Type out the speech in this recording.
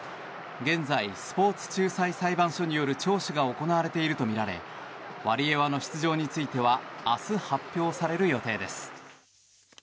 現在、スポーツ仲裁裁判所による聴取が行われているとみられワリエワの出場については明日発表される予定です。